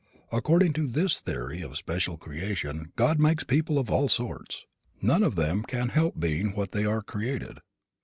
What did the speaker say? According to this theory of special creation God makes people of all sorts. None of them can help being what they are created.